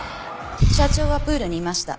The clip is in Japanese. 社長はプールにいました。